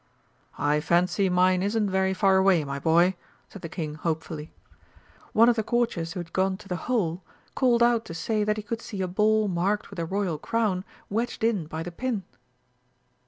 "I fancy mine isn't very far away, my boy," said the King hopefully. One of the Courtiers who had gone to the hole, called out to say that he could see a ball marked with a Royal Crown wedged in by the pin.